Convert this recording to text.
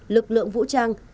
lực lượng vũ trang